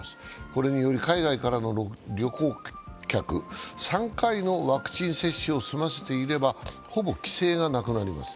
これにより海外からの旅行客は３回のワクチン接種を済ませていれば、ほぼ規制がなくなります。